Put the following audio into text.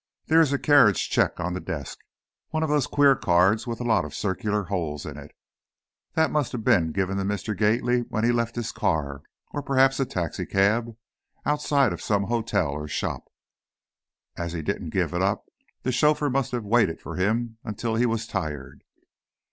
There is a carriage check on the desk, one of those queer cards with a lot of circular holes in it. That must have been given to Mr. Gately when he left his car, or perhaps a taxicab, outside of some hotel or shop. As he didn't give it up, the chauffeur must have waited for him until he was tired."